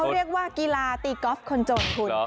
เขาเรียกว่ากีฬาตีกอล์ฟคนจนคุณ